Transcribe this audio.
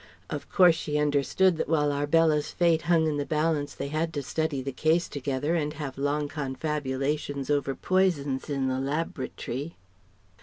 Of course she understood that while Arbella's fate hung in the balance they had to study the case together and have long confabulations over poisons in the Lab'rat'ry...!"